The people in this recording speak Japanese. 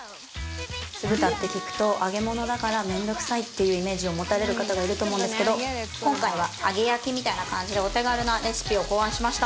酢豚って聞くと揚げ物だから面倒くさいっていうイメージを持たれる方がいると思うんですけど今回は揚げ焼きみたいな感じでお手軽なレシピを考案しました。